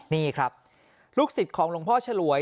นี่ครับลูกศิษย์ของหลวงพ่อฉลวย